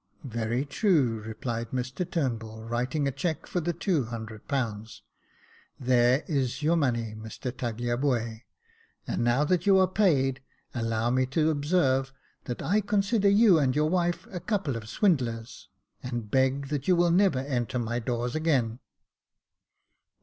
" Very true," replied Mr Turnbull, writing a cheque for the two hundred pounds :*' there is your money, Mr Tagliabue , and now that you are paid, allow me to observe that I consider you and your wife a couple of swindlers ; and beg that you will never enter my doors again."